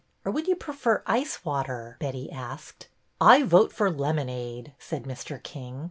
Or would you prefer ice water ?" Betty asked. I vote for lemonade," said Mr. King.